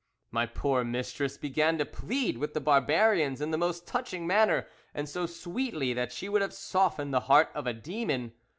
My poor mistress began to plead with the barbarians in the most touching manner, and so sweetly that she would have softened the heart of a demon.